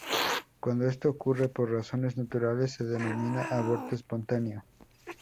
Cuando esto ocurre por razones naturales se denomina aborto espontáneo.